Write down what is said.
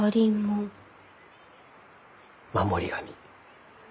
守り神。